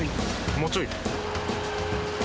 もうちょい？